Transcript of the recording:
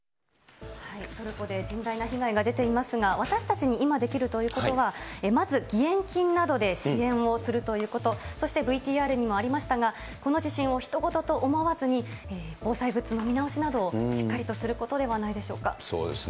トルコで甚大な被害が出ていますが、私たちに今できるということは、まず義援金などで支援をするということ、そしてＶＴＲにもありましたが、この地震をひと事と思わずに、防災グッズの見直しなどをしっかそうですね。